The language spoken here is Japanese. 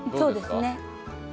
そうですね。